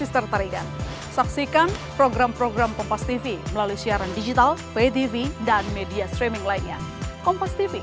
terima kasih selamat malam